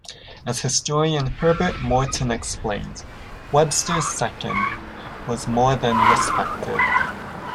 As historian Herbert Morton explained, "Webster's Second" was more than respected.